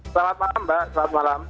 selamat malam mbak selamat malam